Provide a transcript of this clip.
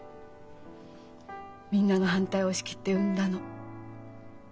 みんなの反対を押し切って産んだの。